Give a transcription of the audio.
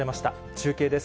中継です。